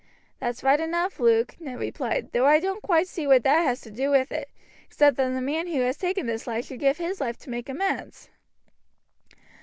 "That's right enough, Luke," Ned replied, "though I don't quite see what that has to do with it, except that the man who has taken this life should give his life to make amends."